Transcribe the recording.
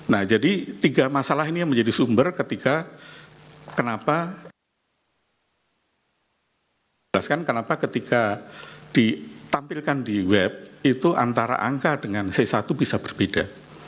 nah jadi tiga masalah ini yang menjadi sumber ketika kenapa dijelaskan kenapa ketika ditampilkan di web itu antara angka dengan c satu bisa berbeda